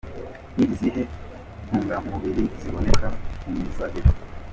Ni izihe ntungamubiri ziboneka mu mizabibu?.